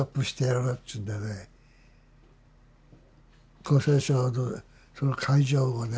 厚生省のその会場をね